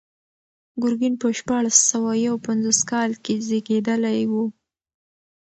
ګورګین په شپاړس سوه یو پنځوس کال کې زېږېدلی و.